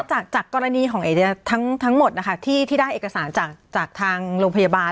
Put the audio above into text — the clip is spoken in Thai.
จากกรณีของเอเดียทั้งหมดนะคะที่ได้เอกสารจากทางโรงพยาบาล